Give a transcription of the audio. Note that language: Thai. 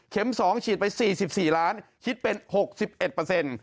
เข็มสองฉีดไปสี่สิบสี่ล้านคิดเป็นหกสิบเอ็ดเปอร์เซ็นต์